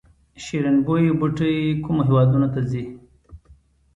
شیرین بویې بوټی کومو هیوادونو ته ځي؟